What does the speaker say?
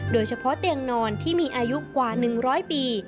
โดยเฉพาะเตียงนอนที่มีอายุกว่า๑๐๐ปี